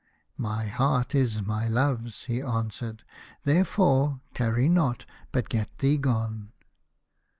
" My heart is my love's," he answered, " therefore tarry not, but get thee gone."